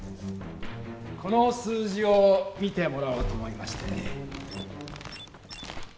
この数字を見てもらおうと思いましてね。